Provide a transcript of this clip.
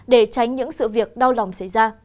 để tránh những nguy hiểm khó lường